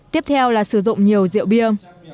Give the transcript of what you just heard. tiếp theo là sử dụng nhiều rượu bia